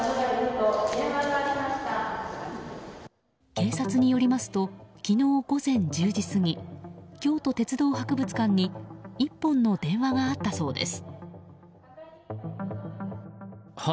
警察によりますと昨日午前１０時過ぎ京都鉄道博物館に１本の電話があったそうです。